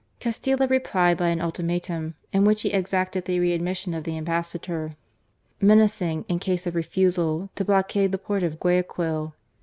Castilla replied by an ultimatum in which he exacted the readmission of the Ambas sador, menacing, in case of refusal, to blockade the port of Guayaquil.